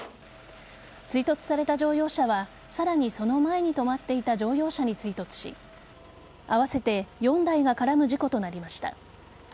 追突された乗用車はさらにその前に止まっていた乗用車に追突し合わせて４台が絡む事故となりました。